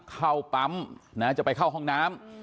เข้าปั๊มนะจะไปเข้าห้องน้ำ